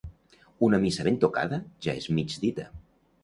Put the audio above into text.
Una missa ben tocada ja és mig dita.